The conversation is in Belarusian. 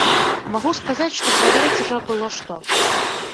Магу сказаць, што праверыць жа было што.